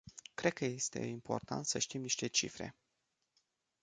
Cred că este important să știm niște cifre.